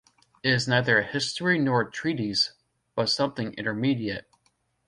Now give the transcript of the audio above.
It is neither a history nor a treatise, but something intermediate.